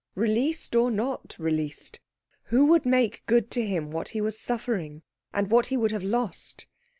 Released or not released, who would make good to him what he was suffering and what he would have lost?